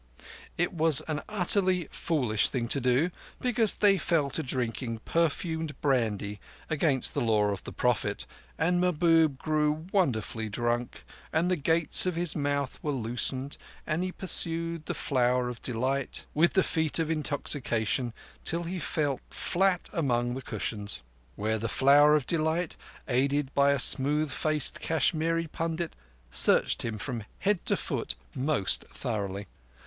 It was an utterly foolish thing to do; because they fell to drinking perfumed brandy against the Law of the Prophet, and Mahbub grew wonderfully drunk, and the gates of his mouth were loosened, and he pursued the Flower of Delight with the feet of intoxication till he fell flat among the cushions, where the Flower of Delight, aided by a smooth faced Kashmiri pundit, searched him from head to foot most thoroughly.